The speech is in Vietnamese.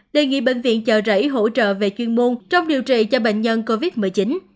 đề nghị bệnh viện chợ rẫy hỗ trợ về chuyên môn trong điều trị cho bệnh nhân covid một mươi chín